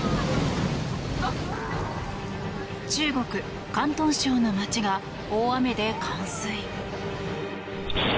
中国・広東省の街が大雨で冠水。